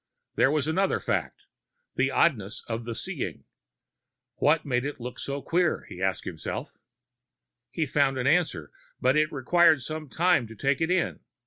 There was another fact, the oddness of the seeing. What makes it look so queer, he asked himself. He found an answer, but it required some time to take it in.